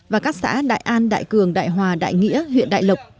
và các xã đại an đại cường đại hòa đại nghĩa huyện đại lộc